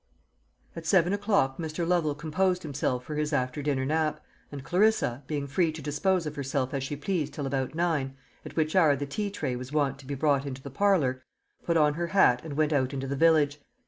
AT seven o'clock Mr. Lovel composed himself for his after dinner nap, and Clarissa, being free to dispose of herself as she pleased till about nine, at which hour the tea tray was wont to be brought into the parlour, put on her hat and went out into the village.